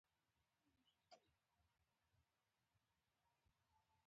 کوم خواړه فائده لري؟